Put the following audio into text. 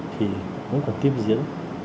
thì vẫn còn tiếp diễn